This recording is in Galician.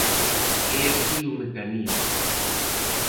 É así o mecanismo.